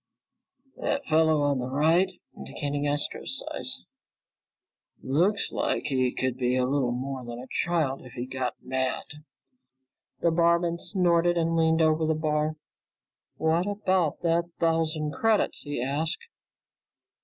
"That fellow on the right," indicating Astro's size, "looks like he could be a little more than a child, if he got mad." The barman snorted and leaned over the bar. "What about that thousand credits?" he asked.